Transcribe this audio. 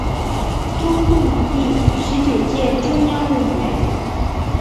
中共第十九届中央委员。